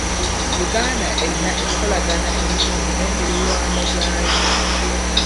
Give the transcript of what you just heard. Uganda eyina enkolagana ennungi n'emiriraano gyayo.